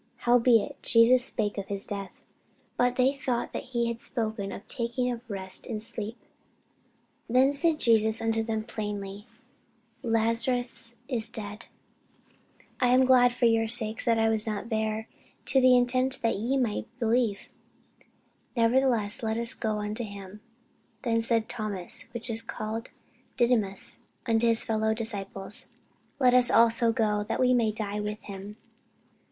Howbeit Jesus spake of his death: but they thought that he had spoken of taking of rest in sleep. Then said Jesus unto them plainly, Lazarus is dead. And I am glad for your sakes that I was not there, to the intent ye may believe; nevertheless let us go unto him. Then said Thomas, which is called Didymus, unto his fellow disciples, Let us also go, that we may die with him.